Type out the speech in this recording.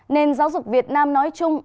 nền giáo dục việt nam nói chung